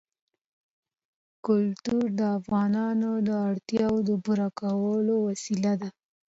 کلتور د افغانانو د اړتیاوو د پوره کولو وسیله ده.